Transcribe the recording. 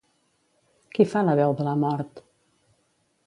Qui fa la veu de la Mort?